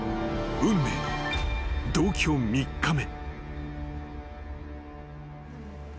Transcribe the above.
［運命の同居３日目］